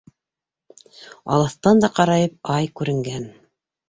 Алыҫтан да ҡарайып, ай, күренгән